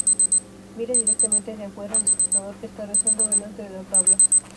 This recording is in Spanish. Mira directamente hacia afuera, al espectador que está rezando delante de la tabla.